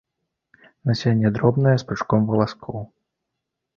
Насенне дробнае з пучком валаскоў.